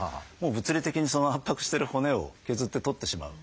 物理的に圧迫してる骨を削って取ってしまう。